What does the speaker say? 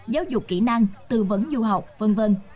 giáo dục kỹ năng tư vấn du học v v